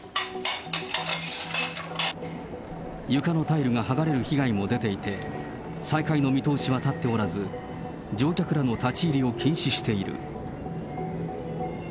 床のタイルが剥がれる被害も出ていて、再開の見通しは立っておらず、乗客らの立ち入りを禁止している。